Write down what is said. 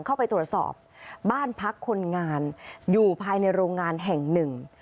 เข้าไปตรวจสอบบ้านพักคนงานอยู่ภายในโรงงานแห่งหนึ่ง